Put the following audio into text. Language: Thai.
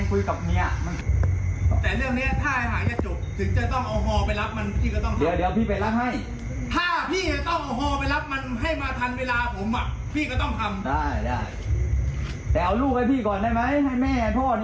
ผมบอกไม่มีใครทำแล้วก็ไม่มีใครทำอะไรเชื่อผมดิ